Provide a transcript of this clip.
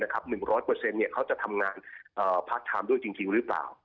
๑๐๐เขาจะทำงานพาร์ทไทม์ด้วยจริงหรือเปล่า